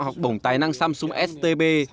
học bổng tài năng samsung stb